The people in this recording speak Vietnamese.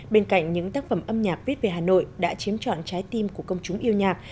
bên cạnh những tác phẩm âm nhạc viết về hà nội đã chiếm trọn trái tim của công chúng yêu nhạc